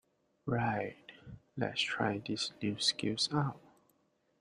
Right, lets try these new skills out!